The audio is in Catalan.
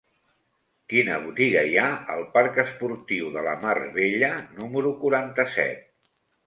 Quina botiga hi ha al parc Esportiu de la Mar Bella número quaranta-set?